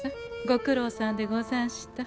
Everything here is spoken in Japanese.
ご苦労さんでござんした。